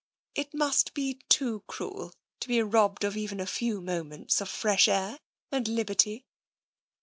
It must be too cruel to be robbed of even a few moments of fresh air and liberty."